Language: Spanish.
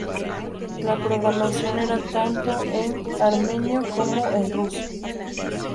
La programación era tanto en armenio como en ruso.